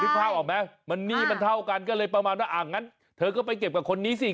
ภาพออกไหมมันหนี้มันเท่ากันก็เลยประมาณว่าอ่ะงั้นเธอก็ไปเก็บกับคนนี้สิ